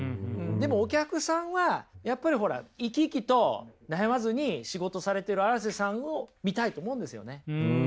でもお客さんはやっぱりほら生き生きと悩まずに仕事されてる荒瀬さんを見たいと思うんですよね。